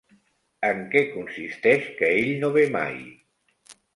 En què consisteix que ell no ve mai?